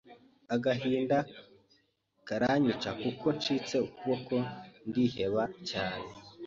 agahinda karanyica kuko ncitse ukuboko ndiheba cyane